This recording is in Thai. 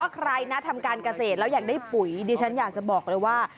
ใครนะทำการเกษตรแล้วอยากได้ปุ๋ยดิฉันอยากจะบอกเลยว่า